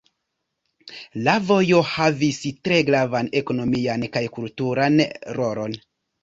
La vojo havis tre gravan ekonomian kaj kulturan rolon.